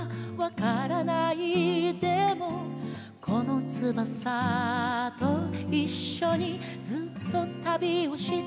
「このつばさと一緒にずっと旅をしてきた」